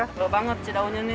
tebel banget si daunnya ini